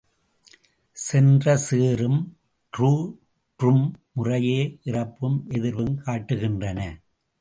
சென்று சேறும் று, றும் முறையே இறப்பும் எதிர்வும் காட்டுகின்றன.